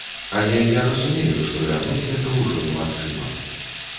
Але я разумею, што вярнуць гэта ўжо немагчыма.